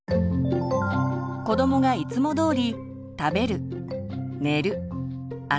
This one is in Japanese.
子どもがいつも通り食べる寝る遊ぶ